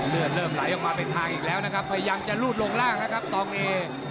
เลือดเริ่มไหลออกมาเป็นทางอีกแล้วนะครับพยายามจะรูดลงล่างนะครับตองเอ